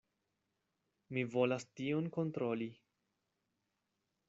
Mi volas tion kontroli.